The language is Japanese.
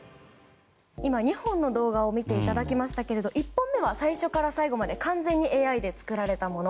今、２本の動画を見ていただきましたが１本目は最初から最後まで完全にＡＩで作られたもの